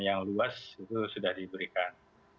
yang luas itu sudah diberikan